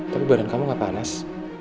tapi badan kamu gak panas